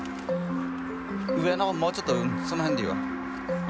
上の方もうちょっとその辺でいいわ。